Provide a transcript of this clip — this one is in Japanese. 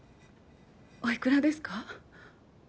おいくらですか？